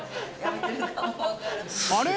あれ？